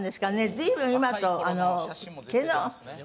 随分今と毛の。